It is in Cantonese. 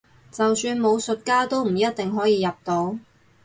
就算武術家都唔一定可以入到